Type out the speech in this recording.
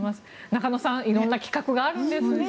中野さん色んな企画があるんですね。